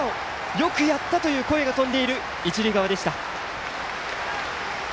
よくやったという声が飛んでいる一塁側でした。